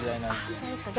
そうですか。